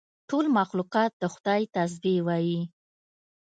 ټول مخلوقات د خدای تسبیح وایي.